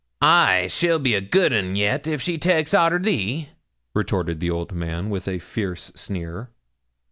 'Ay, she'll be a good un yet if she takes arter thee,' retorted the old man with a fierce sneer.